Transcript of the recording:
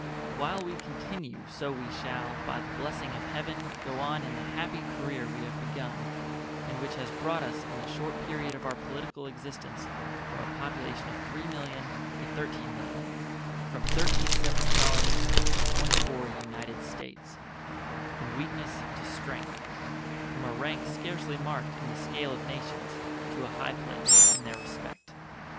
While we continue so we shall by the blessing of Heaven go on in the happy career we have begun, and which has brought us in the short period of our political existence from a population of 3,000,000 to 13,000,000; from 13 separate colonies to 24 united States; from weakness to strength; from a rank scarcely marked in the scale of nations to a high place in their respect.